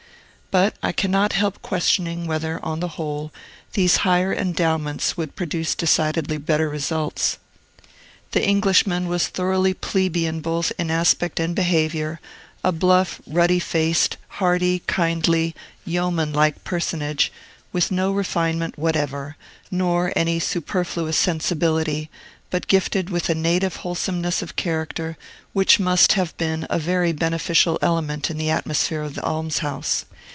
But I cannot help questioning, whether, on the whole, these higher endowments would produce decidedly better results. The Englishman was thoroughly plebeian both in aspect and behavior, a bluff, ruddy faced, hearty, kindly, yeoman like personage, with no refinement whatever, nor any superfluous sensibility, but gifted with a native wholesomeness of character which must have been a very beneficial element in the atmosphere of the almshouse.